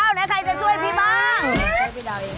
อ้าวไหนใครจะช่วยพี่บ้าง